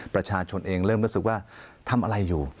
ประชาชนเองเริ่มรู้สึกว่าทำอะไรอยู่